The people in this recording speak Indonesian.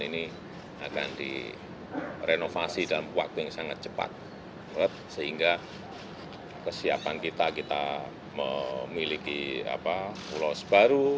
ini akan direnovasi dalam waktu yang sangat cepat sehingga kesiapan kita kita memiliki pulau sebaru